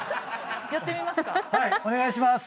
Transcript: お願いします。